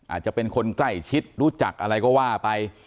อาจจะเป็นคนใกล้ชิดรู้จักอะไรก็ว่าไป